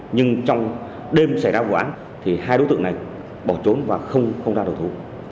nhưng trong đêm xảy ra vụ án thì hai đối tượng này bỏ trốn và không ra đầu thú